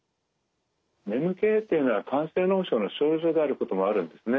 眠気というのは肝性脳症の症状であることもあるんですね。